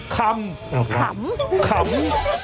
คำอ้าวคำคำ